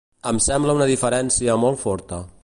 Em sembla una diferència molt forta.